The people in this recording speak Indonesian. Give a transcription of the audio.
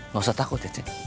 gak usah takut ya cik